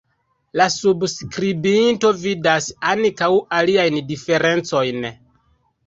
La subskribinto vidas ankaŭ aliajn diferencojn.